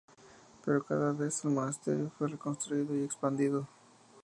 Pero cada vez el monasterio fue reconstruido y expandido.